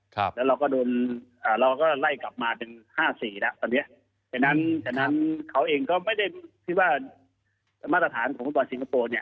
เขาเองก็ไม่ได้ฉันว่ามาตรฐานของมนุษย์ของสิงคโปร์